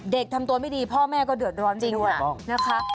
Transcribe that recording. ทำตัวไม่ดีพ่อแม่ก็เดือดร้อนจริงด้วยนะคะ